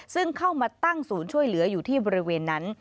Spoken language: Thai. ซึ่งเข้ามาตั้งศูนย์ช่วยเหลืออยู่ที่บริเวณนั้น